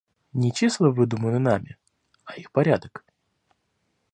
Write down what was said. Не числа выдуманы нами, а их порядок.